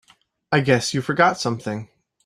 I guess you forgot something.